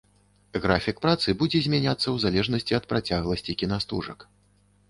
Графік працы будзе змяняцца ў залежнасці ад працягласці кінастужак.